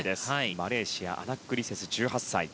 マレーシア、アナックリセス１８歳。